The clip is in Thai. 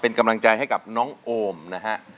เป็นกำลังใจให้กับน้องโอมนะฮะ